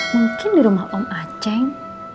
mungkin di rumah om aceh